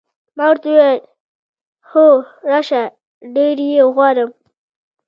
ما ورته وویل: هو، راشه، ډېر یې غواړم.